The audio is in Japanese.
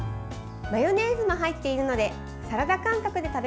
マヨネーズが入っているのでサラダ感覚で食べられます。